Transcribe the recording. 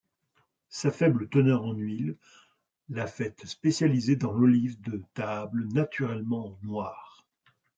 Sa faible teneur en huile l'a faite spécialiser dans l'olive de table naturellement noire.